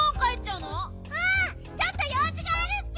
うんちょっとようじがあるッピ！